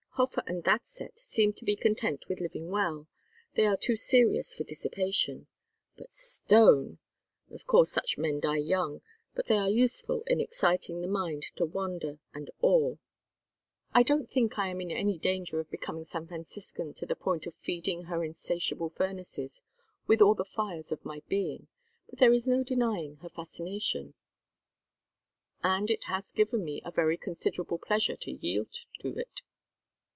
Hofer and that set seem to be content with living well; they are too serious for dissipation. But Stone! Of course such men die young, but they are useful in exciting the mind to wonder and awe. I don't think I am in any danger of becoming San Franciscan to the point of feeding her insatiable furnaces with all the fires of my being, but there is no denying her fascination, and it has given me a very considerable pleasure to yield to it.